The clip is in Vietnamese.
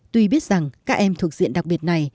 tuy biết rằng các em thuộc diện đặc biệt này